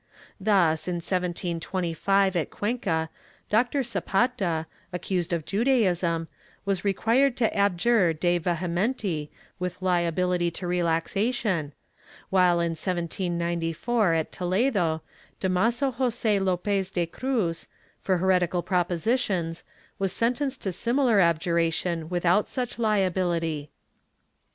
Thus, in 1725 at Cuenca, Doctor Zapata, accused of Judaism, was required to abjure de vehementi with liability to relaxation, while in 1794, at Toledo, Damaso Jos6 Lopez de Cruz, for heretical propositions, was sentenced to similar abjuration without such liability.